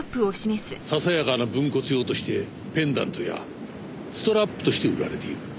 ささやかな分骨用としてペンダントやストラップとして売られている。